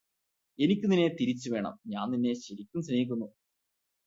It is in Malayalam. എനിക്ക് നിന്നെ തിരിച്ചു വേണം ഞാന് നിന്നെ ശരിക്കും സ്നേഹിക്കുന്നു